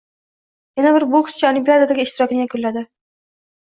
Yana bir bokschi Olimpiadadagi ishtirokini yakunladi